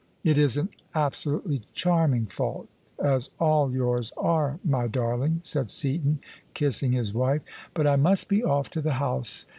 " It is an absolutely charming fault, as all yours are, my darling," said Seaton, kissing his wife. " But I must be off to the House.